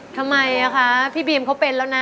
ทำไมคะพี่บีมเขาเป็นแล้วนะ